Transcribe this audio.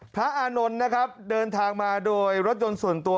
อานนท์นะครับเดินทางมาโดยรถยนต์ส่วนตัว